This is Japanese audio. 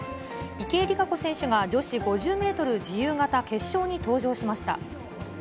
池江璃花子選手が女子５０メートル自由形決勝に登場しました。